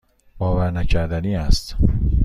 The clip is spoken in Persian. باورنکردنی است.